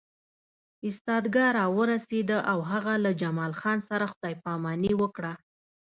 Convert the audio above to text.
ایستګاه راورسېده او هغه له جمال خان سره خدای پاماني وکړه